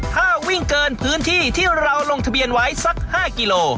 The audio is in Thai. ถ้าวิ่งเกินพื้นที่ที่เราลงทะเบียนไว้สัก๕กิโล